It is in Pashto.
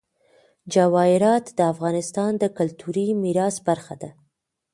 جواهرات د افغانستان د کلتوري میراث برخه ده.